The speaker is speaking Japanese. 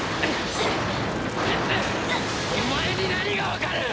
お前に何がわかる！？